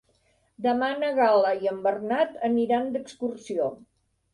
Demà na Gal·la i en Bernat aniran d'excursió.